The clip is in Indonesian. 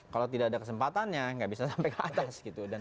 kalau tidak ada kesempatannya enggak bisa sampai ke atas